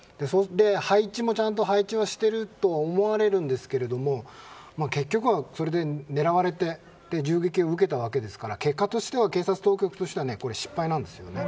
配置もちゃんとしていると思われるんですけれども結局はそれで狙われて銃撃を受けたわけですから結果としては警察当局としてはこれは失敗なんですよね。